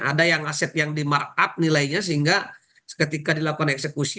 ada yang aset yang di markup nilainya sehingga ketika dilakukan eksekusi